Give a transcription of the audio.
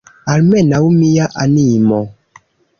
Almenaŭ mia animo!